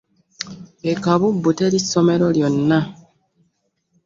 E Kabubbu teri ssomero lyonna!